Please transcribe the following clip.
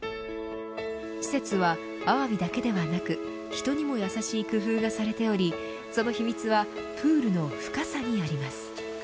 施設はアワビだけではなく人にもやさしい工夫がされておりその秘密はプールの深さにあります。